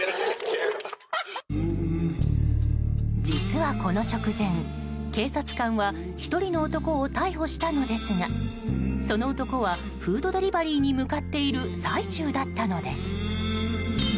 実はこの直前、警察官は１人の男を逮捕したのですがその男はフードデリバリーに向かっている最中だったのです。